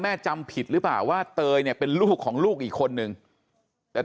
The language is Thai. จำผิดหรือเปล่าว่าเตยเนี่ยเป็นลูกของลูกอีกคนนึงแต่